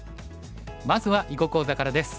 まずは囲碁講座からです。